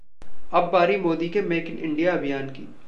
अब बारी मोदी के ‘मेक इन इंडिया’ अभियान की